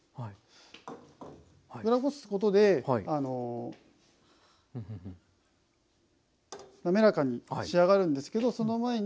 裏ごすことでなめらかに仕上がるんですけどその前に。